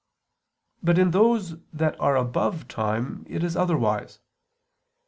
But in those that are above time, it is otherwise.